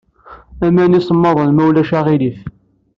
Aman isemmaḍen, ma ulac aɣilif.